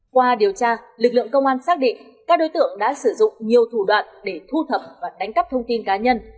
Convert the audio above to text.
qua điều tra lực lượng công an xác định các đối tượng đã sử dụng nhiều thủ đoạn để thu thập và đánh cắp thông tin cá nhân